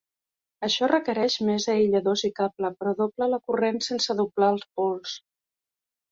Això requereix més aïlladors i cable, però dobla la corrent sense doblar els pols.